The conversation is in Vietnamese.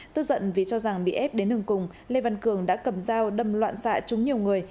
tức giận vì cho rằng bị ép đến hừng cùng lê văn cường đã cầm dao đâm loạn xạ chúng nhiều người